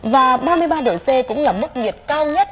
và ba mươi ba độ c cũng là mức nhiệt cao nhất